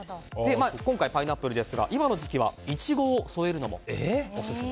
今回、パイナップルですが今の時期はイチゴを添えるのもオススメ。